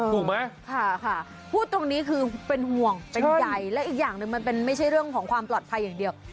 ถูกไหมค่ะค่ะพูดตรงนี้คือเป็นห่วงเป็นใหญ่และอีกอย่างหนึ่งมันเป็นไม่ใช่เรื่องของความปลอดภัยอย่างเดียว